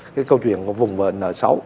cái câu chuyện vùng vệ nợ xấu